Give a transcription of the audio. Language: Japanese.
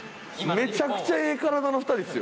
めちゃくちゃええ体の２人ですよ。